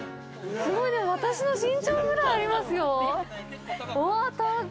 すごい、私の身長ぐらいありますよ。